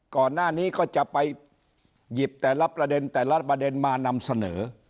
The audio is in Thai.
ก่อนหน้านี้ก็จะไปหยิบแต่ละประเด็นแต่ละประเด็นมานำเสนอ